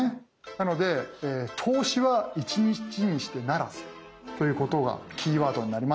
なので「投資は一日にして成らず」ということがキーワードになります。